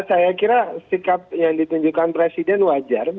saya kira sikap yang ditunjukkan presiden wajar